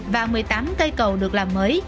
và một mươi tám cây cầu được làm mới